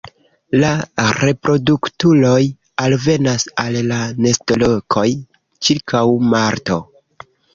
La reproduktuloj alvenas al la nestolokoj ĉirkaŭ marto.